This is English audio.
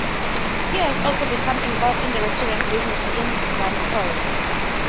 He has also become involved in the restaurant business in Vancouver.